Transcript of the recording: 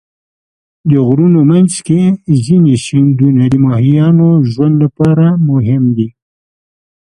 د غرونو منځ کې ځینې سیندونه د ماهیانو ژوند لپاره مهم دي.